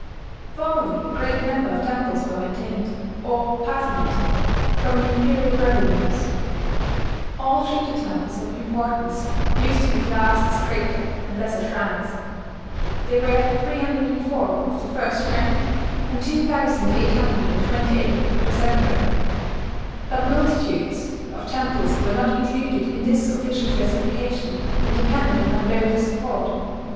Formerly a great number of temples were maintained, or partly maintained, from the imperial revenues. All Shinto temples of importance used to be classed as greater and lesser shrines. There were 304 of the first rank, and 2828 of the second rank. But multitudes of temples were not included in this official classification, and depended upon local support.